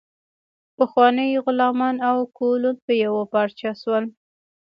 پخواني غلامان او کولون په یوه پارچه شول.